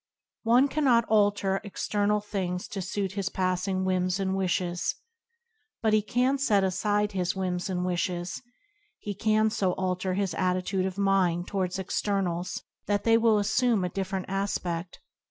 One cannot alter external things to suit his passing whims and wishes, but he can set aside his whims and wishes; he can so alter his attitude of mind towards externals that they will assume a different aspe6l.